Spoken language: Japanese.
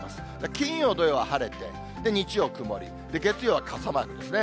金曜、土曜は晴れて、日曜曇り、月曜は傘マークですね。